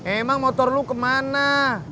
emang motor lu kemana